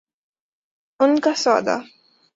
ان کا سودا؟